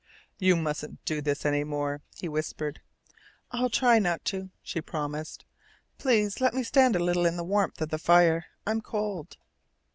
"You mustn't do this any more," he whispered. "I'll try not to," she promised. "Please let me stand a little in the warmth of the fire. I'm cold."